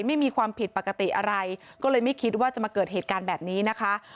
ไม่มีความผิดปกติอะไรก็เลยไม่คิดว่าจะมาเกิดเหตุการณ์แบบนี้นะคะ